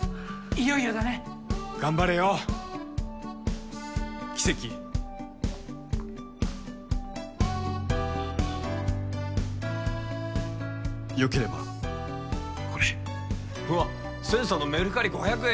いよいよだね頑張れよキセキよければこれうわっセンさんのメルカリ５００円